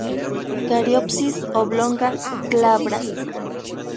Cariopsis oblonga, glabra.